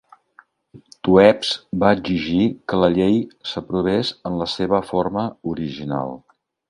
Toews va exigir que la llei s'aprovés en la seva forma original.